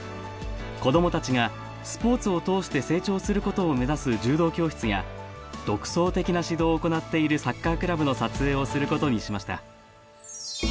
子どもたちがスポーツを通して成長することを目指す柔道教室や独創的な指導を行っているサッカークラブの撮影をすることにしました